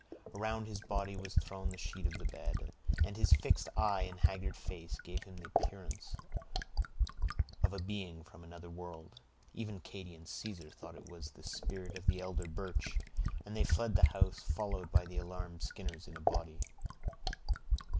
Around his body was thrown the sheet of the bed, and his fixed eye and haggard face gave him the appearance of a being from another world. Even Katy and Caesar thought it was the spirit of the elder Birch, and they fled the house, followed by the alarmed Skinners in a body.